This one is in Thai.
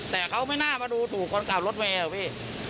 แต่เขาไม่น่ามาดูถูกคนขับรถเมย์เหรอพี่